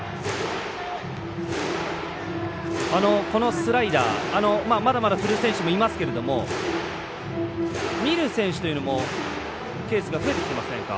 スライダー、まだまだ振る選手もいますけれども見る選手というのもケースが増えてきませんか？